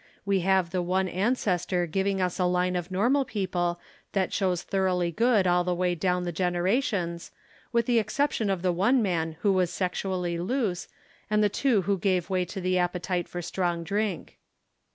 We have the one ancestor giving us a line of normal people that shows thoroughly good all the way down the gen erations, with the exception of the one man who was sexually loose and the two who gave way to the appe tite for strong drink.